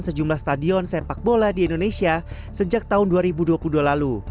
sejumlah stadion sepak bola di indonesia sejak tahun dua ribu dua puluh dua lalu